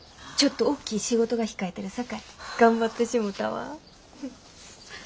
ちょっとおっきい仕事が控えてるさかい頑張ってしもたわ。